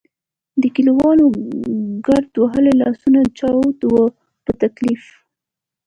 د کلیوالو ګرد وهلي لاسونه چاود وو په تکلیف.